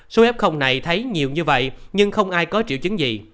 số f này thấy nhiều như vậy nhưng không ai có triệu chứng gì